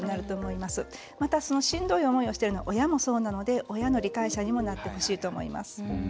また、そのしんどい思いをしているのは親もそうなので、親の理解者にもなってほしいと思います。